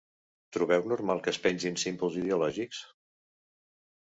Trobeu normal que es pengin símbols ideològics?